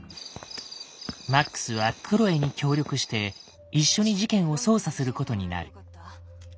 マックスはクロエに協力して一緒に事件を捜査することになる。